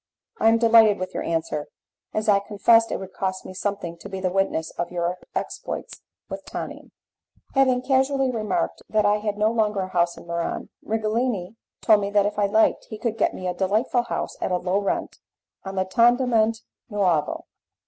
"I am delighted with your answer, as I confess it would cost me something to be the witness of your exploits with Tonine." Having casually remarked that I had no longer a house in Muran, Righelini told me that if I liked he could get me a delightful house at a low rent on the Tondamente Nuovo.